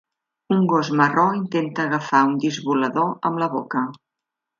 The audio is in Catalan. Un gos marró intenta agafar un disc volador amb la boca.